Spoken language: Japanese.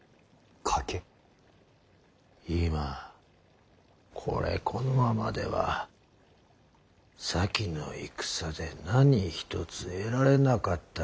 今これこのままでは先の戦で何一つ得られなかったことになる。